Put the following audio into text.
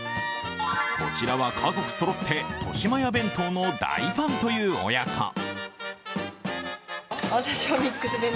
こちらは、家族そろってとしまや弁当の大ファンという親子。